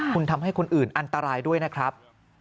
คุณทำให้คนอื่นอันตรายด้วยนะครับ